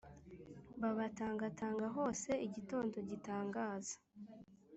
Babatangatanga hose igitondo gitangaza